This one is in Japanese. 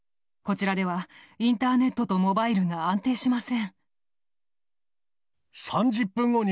こちらでは、インターネットとモバイルが安定しません。